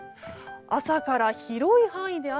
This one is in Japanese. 朝から広い範囲で雨。